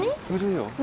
するよ。